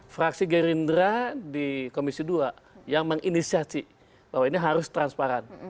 fraksi gerindra di komisi dua yang menginisiasi bahwa ini harus transparan